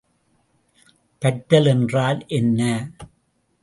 பற்றல் என்றால் என்ன?